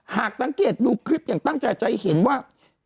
หากสังเกตดูคลิปอย่างตั้งใจจะเห็นว่า